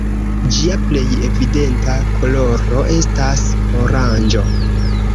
Ĝia plej evidenta koloro estas oranĝo.